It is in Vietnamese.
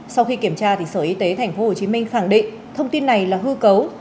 sau khi kiểm tra sở y tế tp hcm khẳng định thông tin này là hư cấu